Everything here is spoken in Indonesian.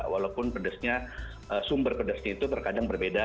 walaupun pedesnya sumber pedasnya itu terkadang berbeda